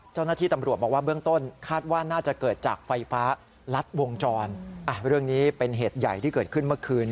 เจ้าหน้าที่ตำรวจบอกว่าเบื้องต้น